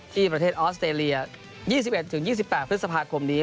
ที่ประเทศออสเตรเลีย๒๑๒๘พฤษภาคมนี้